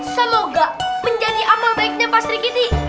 semoga menjadi amal baiknya pak sergiti